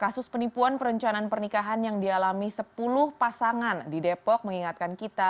kasus penipuan perencanaan pernikahan yang dialami sepuluh pasangan di depok mengingatkan kita